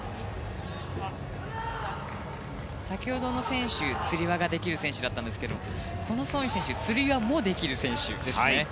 先ほどの選手、つり輪ができる選手だったんですがソン・イ選手はつり輪もできる選手ですね。